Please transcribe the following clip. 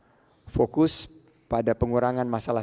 kami meyakini jika pemerintah fokus pada pengurangan masalah